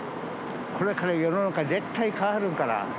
これから世の中、絶対変わるから。